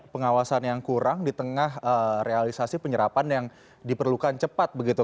pengawasan yang kurang di tengah realisasi penyerapan yang diperlukan cepat begitu